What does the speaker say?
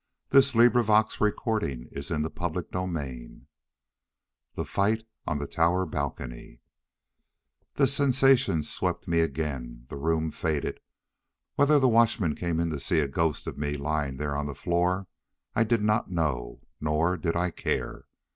I laughed. I pressed the switch at my wrist.... CHAPTER XI The Fight on the Tower Balcony The sensations swept me again. The room faded. Whether the watchmen came in to see a ghost of me lying there on the floor I did not know, nor did I care.